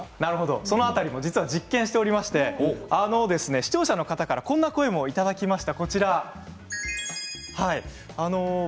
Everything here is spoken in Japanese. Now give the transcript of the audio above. その辺りも実験しておりまして視聴者の方からこんな声もいただきました。